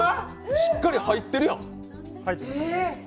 しっかり入ってるやん！